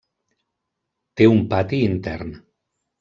Té un pati intern.